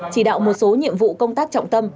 chỉ đạo một số nhiệm vụ công tác trọng tâm